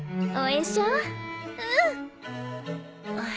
うん。